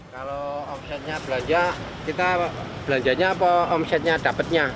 kalau omsetnya belanja kita belanjanya apa omsetnya dapatnya